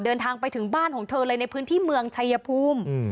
เดินทางไปถึงบ้านของเธอเลยในพื้นที่เมืองชายภูมิ